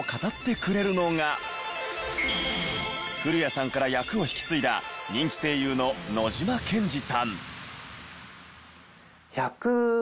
古谷さんから役を引き継いだ人気声優の野島健児さん。